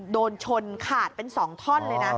โดนชนขาดเป็น๒ท่อนเลยนะ